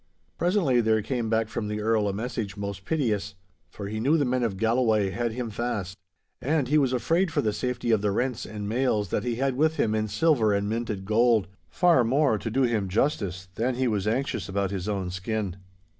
Presently there came back from the Earl a message most piteous, for he knew the men of Galloway had him fast; and he was afraid for the safety of the rents and mails that he had with him in silver and minted gold—far more, to do him justice, than he was anxious about his own skin.